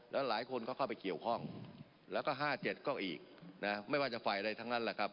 แล้วหลายคนก็เข้าไปเกี่ยวข้องแล้วก็๕๗ก็อีกนะไม่ว่าจะฝ่ายใดทั้งนั้นแหละครับ